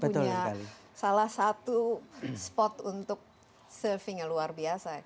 punya salah satu spot untuk surfing yang luar biasa